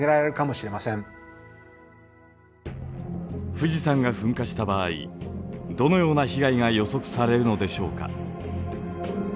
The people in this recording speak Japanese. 富士山が噴火した場合どのような被害が予測されるのでしょうか。